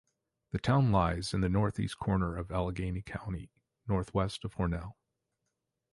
The town lies in the northeast corner of Allegany County, northwest of Hornell.